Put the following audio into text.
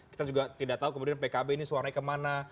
kita juga tidak tahu kemudian pkb ini suaranya kemana